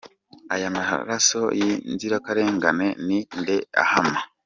Aya maraso y’inzirakarengane ni nde ahama ?